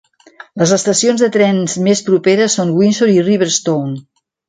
Les estacions de trens més properes són Windsor i Riverstone.